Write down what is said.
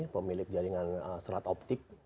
pemilik jaringan serat optik